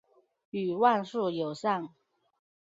与万树友善。